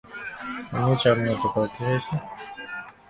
আমায় চাপমুক্ত করতে চাইছো?